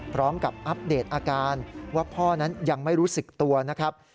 อัปเดตอาการว่าพ่อนั้นยังไม่รู้สึกตัวนะครับ